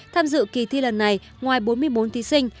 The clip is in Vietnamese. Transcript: tham dự kỳ thi lần này ngoài bốn mươi bốn thí sinh